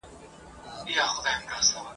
هغه ښار چي تا یې نکل دی لیکلی !.